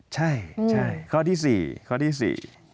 ใช่ข้อที่๔